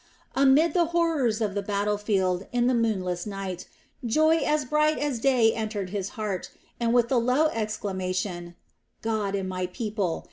Amid the horrors of the battle field in the moonless night joy as bright as day entered his heart and with the low exclamation: "God and my people!"